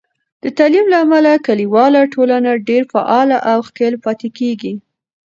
د تعلیم له امله، کلیواله ټولنه ډیر فعاله او ښکیل پاتې کېږي.